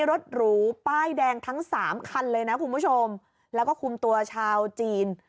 รถหรูป้ายแดงทั้งสามคันเลยนะคุณผู้ชมแล้วก็คุมตัวชาวจีน